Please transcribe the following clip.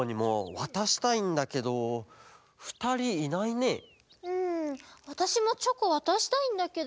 わたしもチョコわたしたいんだけど。